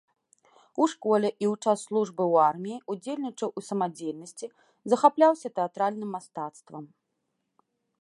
У школе і ў час службы ў арміі ўдзельнічаў у самадзейнасці, захапляўся тэатральным мастацтвам.